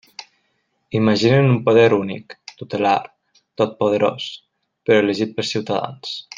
Imaginen un poder únic, tutelar, totpoderós, però elegit pels ciutadans.